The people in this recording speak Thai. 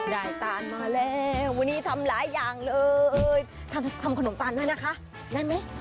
ตานมาแล้ววันนี้ทำหลายอย่างเลยทำขนมตาลด้วยนะคะได้ไหม